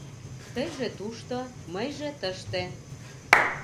Тыйже тушто, мыйже тыште